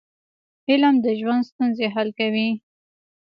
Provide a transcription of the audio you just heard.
علم د ژوند ستونزې حل کوي.